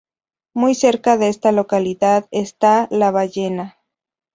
Muy cerca de esta localidad está "la Ballena".